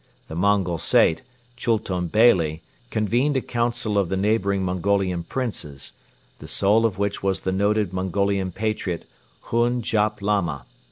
The Mongol Sait, Chultun Beyli, convened a council of the neighboring Mongolian Princes, the soul of which was the noted Mongolian patriot, Hun Jap Lama.